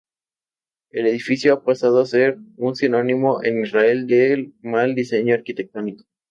El edificio ha pasado a ser un sinónimo en Israel del mal diseño arquitectónico.